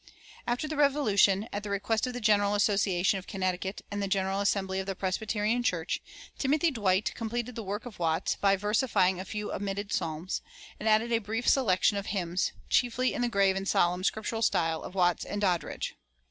"[387:1] After the Revolution, at the request of the General Association of Connecticut and the General Assembly of the Presbyterian Church, Timothy Dwight completed the work of Watts by versifying a few omitted psalms,[387:2] and added a brief selection of hymns, chiefly in the grave and solemn Scriptural style of Watts and Doddridge.